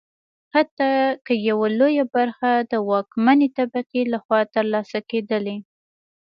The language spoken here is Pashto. حتی که یوه لویه برخه د واکمنې طبقې لخوا ترلاسه کېدلی.